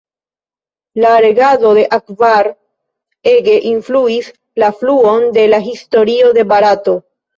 La regado de Akbar ege influis la fluon de la historio de Barato.